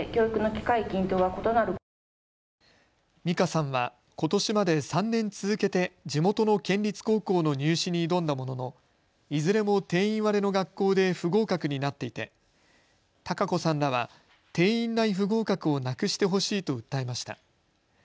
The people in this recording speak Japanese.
美佳さんはことしまで３年続けて地元の県立高校の入試に挑んだもののいずれも定員割れの学校で不合格になっていて貴子さんらは定員内不合格をなくしてほしいと訴えました。